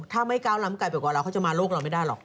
ถ้าไม่ก้าวล้ำไกลไปกว่าเราเขาจะมาโลกเราไม่ได้หรอก